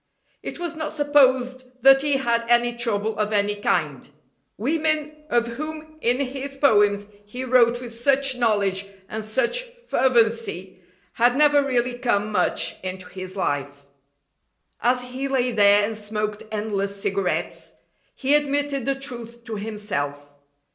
It was not supposed that he had any trouble of any kind. Women, of whom in his poems he wrote with such knowledge and such fervency, had never really come much into his life. As he lay there and smoked endless cigarettes, he admitted the truth to himself.